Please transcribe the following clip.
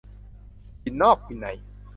กินนอกกินใน